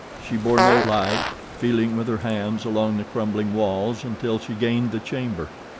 She bore no light, feeling with her hands along the crumbling walls until she gained the chamber.